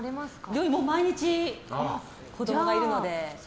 料理、毎日子供がいるので。